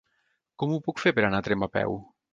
Com ho puc fer per anar a Tremp a peu?